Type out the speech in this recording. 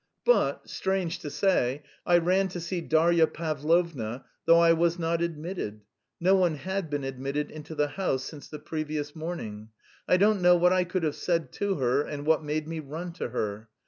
But, strange to say, I ran to see Darya Pavlovna, though I was not admitted (no one had been admitted into the house since the previous morning). I don't know what I could have said to her and what made me run to her.